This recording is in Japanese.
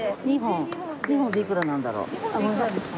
２本でいくらなんだろう？